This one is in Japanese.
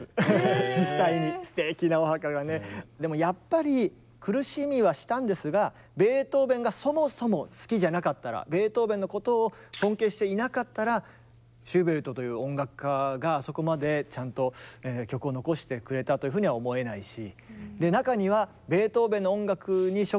でもやっぱり苦しみはしたんですがベートーベンがそもそも好きじゃなかったらベートーベンのことを尊敬していなかったらシューベルトという音楽家がそこまでちゃんと曲を残してくれたというふうには思えないし。